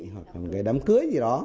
hoặc là cái đám cưới gì đó